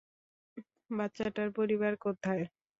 বাচ্চাটার পরিবার কোথায়?